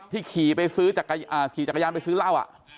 ที่ขี่จักรยามไปซื้อเหล้าอ่ะ